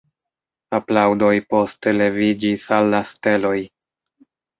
Aplaŭdoj poste leviĝis al la steloj.